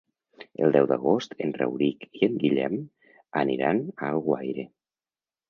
El deu d'agost en Rauric i en Guillem aniran a Alguaire.